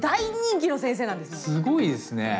すごいですね。